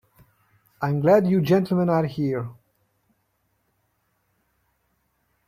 I'm glad you gentlemen are here.